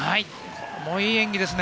これもいい演技ですね。